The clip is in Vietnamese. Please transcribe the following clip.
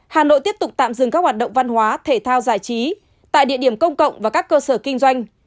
hà nội tiếp tục tạm dừng các hoạt động văn hóa thể thao giải trí tại địa điểm công cộng và các cơ sở kinh doanh